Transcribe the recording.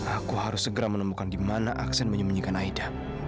aku harus segera menemukan di mana aksen menyembunyikan aida